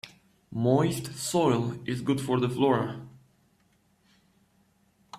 Moist soil is good for the flora.